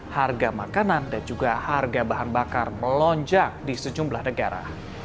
harga makanan dan juga harga bahan bakar melonjak di sejumlah negara